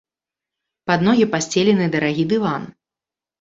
Пад ногі пасцелены дарагі дыван.